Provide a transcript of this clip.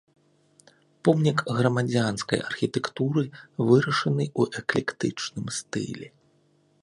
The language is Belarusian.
Помнік грамадзянскай архітэктуры, вырашаны ў эклектычным стылі.